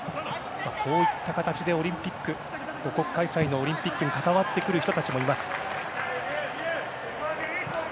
こういった形で母国開催のオリンピックに関わってくる人もいます。